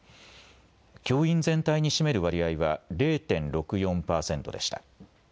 教員全体に占める割合は０．６４％でした。